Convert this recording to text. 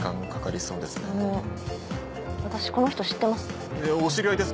私この人知ってます。